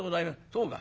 「そうか。